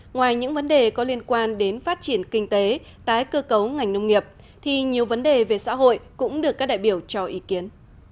ngoài những vấn đề có liên quan đến phát triển kinh tế tái cơ cấu ngành nông nghiệp thì nhiều vấn đề về xã hội cũng được các đại biểu cho ý kiến